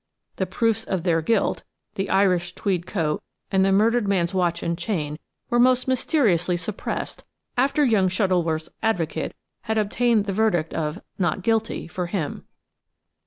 The proofs of their guilt–the Irish tweed coat and the murdered man's watch and chain–were most mysteriously suppressed, after young Shuttleworth's advocate had obtained the verdict of "not guilty" for him.